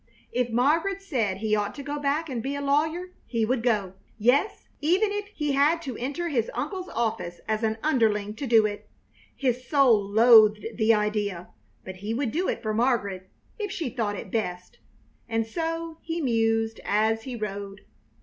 If Margaret said he ought to go back and be a lawyer, he would go yes, even if he had to enter his uncle's office as an underling to do it. His soul loathed the idea, but he would do it for Margaret, if she thought it best. And so he mused as he rode!